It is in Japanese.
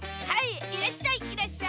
はい！